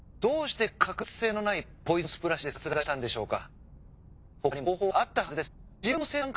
どうして確実性のないポイズンスプラッシュで殺害したんでしょうか。